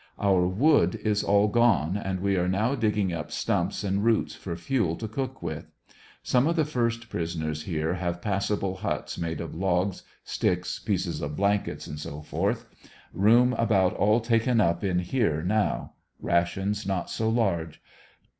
Our wo >d is all gone, and we are now digging up stumps and roots for fuel to cook with. Some of the first prisoners here have passable huts made of logs, sticks, pieces of blankets, &c. Room about all taken up in here now. Rations not so large.